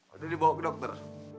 ada dibawa ke dokter